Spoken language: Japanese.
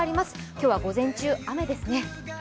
今日は午前中、雨ですね。